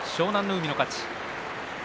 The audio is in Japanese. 海の勝ち。